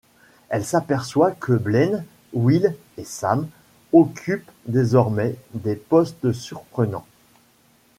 Elle s'aperçoit que Blaine, Will et Sam occupent désormais des postes surprenants.